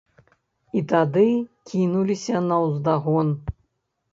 І тады кінуліся наўздагон.